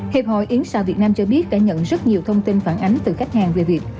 hiệp hội yến xà việt nam cho biết đã nhận rất nhiều thông tin phản ánh từ khách hàng về việc